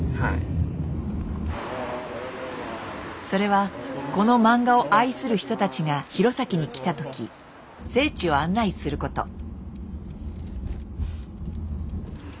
それはこの漫画を愛する人たちが弘前に来た時聖地を案内すること。